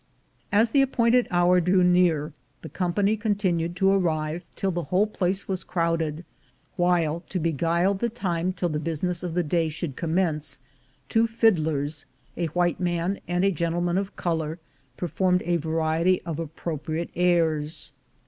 As the appointed hour drew near, the company continued to arrive till the whole place was crowded; while, to beguile the time till the business of the day should commence, two fiddlers — a white man and a gentleman of color — performed a variety of appro priate airs.